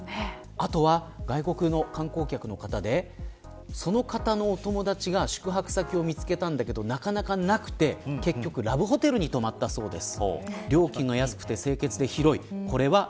あとは、外国の観光客の方でその方のお友達が宿泊先を見つけることができなくて結局、ラブホテルに泊ったようです。